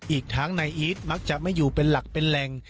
อีกทั้งนายอีทมักจะไม่อยู่เป็นหลักเป็นแหล่ง